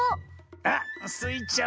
あっスイちゃん